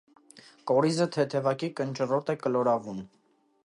Կորիզը թեթևակի կնճռոտ է, կլորավուն։